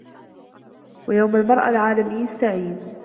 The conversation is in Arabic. يوم المرأة العالمي السعيد.